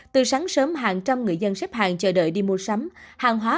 từ sáng sớm hàng trăm người dân xếp hàng chờ đợi đi mua sắm hàng hóa